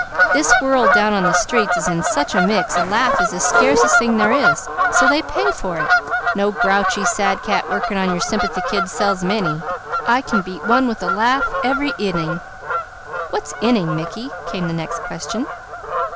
This world down on the streets is in such a mix a laugh is the scarcest thing there is; so they pay for it. No grouchy, sad cat working on your sympathy kid sells many. I can beat one with a laugh every inning." "What's 'inning,' Mickey?" came the next question.